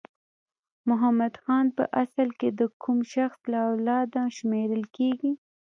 محمد خان په اصل کې د کوم شخص له اولاده شمیرل کیږي؟